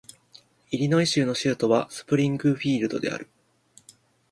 イリノイ州の州都はスプリングフィールドである